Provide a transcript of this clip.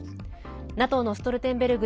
ＮＡＴＯのストルテンベルグ